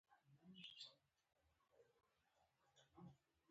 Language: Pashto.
موسیقي او هنر مو سره نږدې دي.